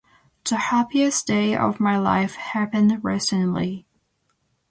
The happiest day of my life happened recently.